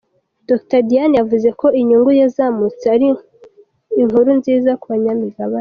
Dr Diane yavuze ko inyungu yazamutse ari n’inkuru nziza ku banyamigabane.